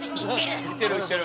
言ってる。